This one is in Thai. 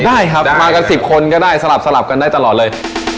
ได้ครับมากัน๑๐คนก็ได้สลับกันได้ตลอดเลย